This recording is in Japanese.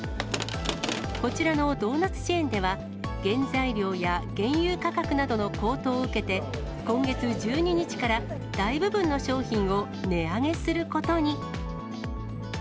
こちらのドーナツチェーンでは、原材料や原油価格などの高騰を受けて、今月１２日から、大部分の商品を値上げすることに。